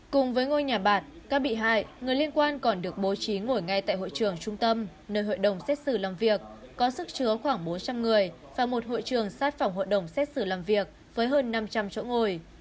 cùng với ngôi nhà bạc các bị hại người liên quan còn được bố trí ngồi ngay tại hội trường trung tâm nơi hội đồng xét xử làm việc có sức chứa khoảng bốn trăm linh người và một hội trường sát phòng hội đồng xét xử làm việc với hơn năm trăm linh chỗ ngồi